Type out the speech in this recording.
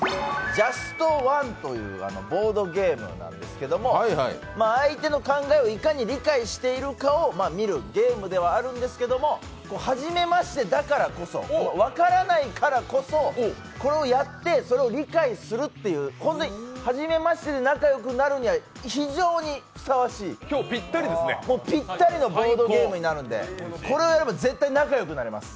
「ジャスト・ワン」という、ボードゲームなんですけれども、相手の考えをいかに理解しているかを見るゲームではあるんですけれども、初めましてだからこそ分からないからこそこれをやって、それを理解するという、初めましてで仲良くなるには非常にふさわしい、ぴったりのボードゲームになるんでこれは絶対仲よくなれます。